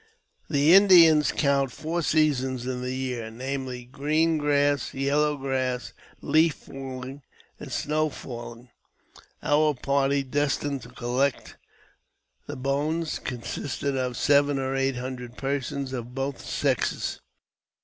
The Indians count four seasons in the year; namely, green grass, yellow grass, leaf falling, and snow falling. Our party destined to collect 15 226 AUTOBIOGRAPHY OF JAMES P. BECKWOUBTH. the bones consisted of seven or eight hundred persons of both sexes.